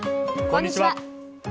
こんにちは。